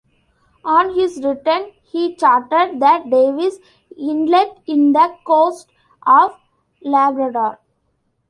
On his return, he charted the Davis Inlet in the coast of Labrador.